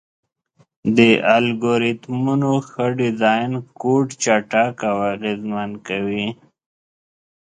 د الګوریتمونو ښه ډیزاین کوډ چټک او اغېزمن کوي.